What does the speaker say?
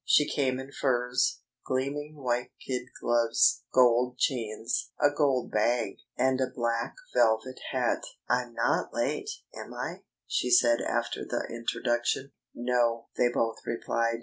She came in furs, gleaming white kid gloves, gold chains, a gold bag, and a black velvet hat. "I'm not late, am I?" she said after the introduction. "No," they both replied.